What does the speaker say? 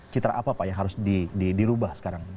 citra apa pak yang harus dirubah sekarang